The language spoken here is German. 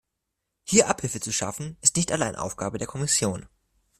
Hier Abhilfe zu schaffen, ist nicht allein Aufgabe der Kommission.